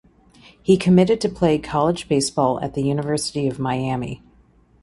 He committed to play college baseball at the University of Miami.